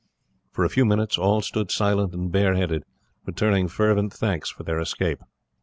For a few minutes all stood silent and bare headed, returning fervent thanks for their escape.